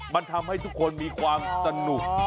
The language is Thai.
มันทำให้ทุกคนมีความสนุก